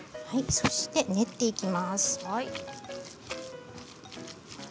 そして練っていきます。